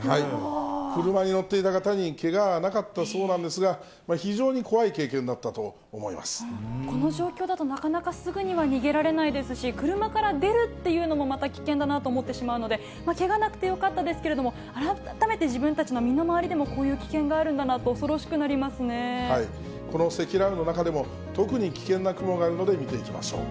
車に乗っていた方にけがはなかったそうなんですが、非常に怖い経この状況だと、なかなかすぐには逃げられないですし、車から出るっていうのもまた危険だなと思ってしまうので、けがなくてよかったですけれども、改めて自分たちの身の回りでもこういう危険があるんだなと、この積乱雲の中でも特に危険な雲があるので、見ていきましょう。